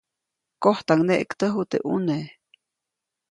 Kojtaŋneʼktäju teʼ ʼnune.